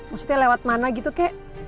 maksudnya lewat mana gitu kek